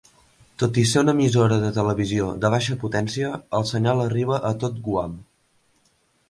Tot i ser una emissora de televisió de baixa potència, el senyal arriba a tot Guam.